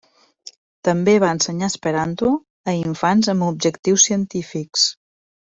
També va ensenyar esperanto a infants amb objectius científics.